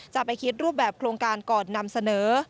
จะไปคิดรูปแบบโครงการก่อนนำเสนอ